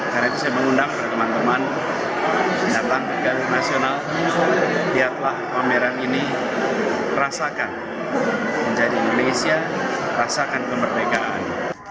karena itu saya mengundang para teman teman di atas negara nasional lihatlah pameran ini rasakan menjadi indonesia rasakan kemerdekaan